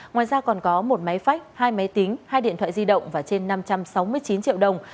ngoài ra còn có một máy phách hai máy tính hai điện thoại di động và trên năm trăm sáu mươi chín triệu đồng